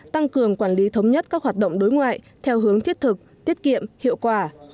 tăng cường quản lý thống nhất các hoạt động đối ngoại theo hướng thiết thực tiết kiệm hiệu quả